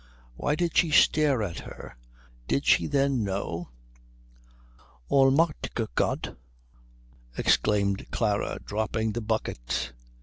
Why did she stare at her? Did she then know? "Allmächtiger Gott" exclaimed Klara, dropping the bucket.